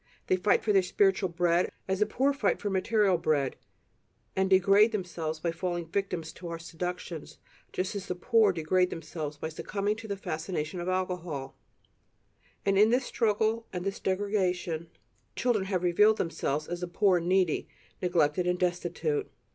They fight for their spiritual bread as the poor fight for material bread; and degrade themselves by falling victims to our seductions just as the poor degrade themselves by succumbing to the fascination of alcohol; and in this struggle and this degradation children have revealed themselves as the "poor" and "needy," neglected and destitute.